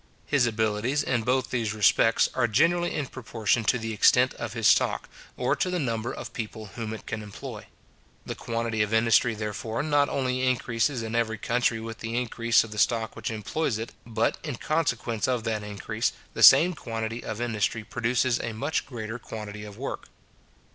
His abilities, in both these respects, are generally in proportion to the extent of his stock, or to the number of people whom it can employ. The quantity of industry, therefore, not only increases in every country with the increase of the stock which employs it, but, in consequence of that increase, the same quantity of industry produces a much greater quantity of work.